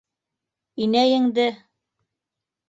Инәйеңде!